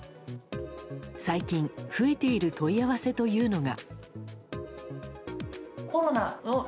最近増えている問い合わせというのが。